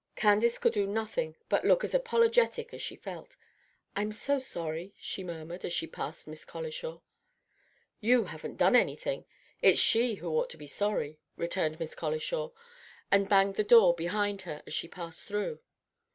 Candace could do nothing but look as apologetic as she felt. "I'm so sorry," she murmured, as she passed Miss Colishaw. "You haven't done anything. It's she who ought to be sorry," returned Miss Colishaw, and banged the door behind her as she passed through.